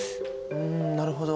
うんなるほど。